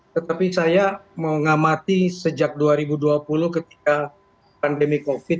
tetapi saya mengamati sejak dua ribu dua puluh ketika pandemi covid